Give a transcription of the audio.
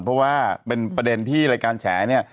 เพราะว่าเป็นประเด็นที่รายการแฉเนี่ย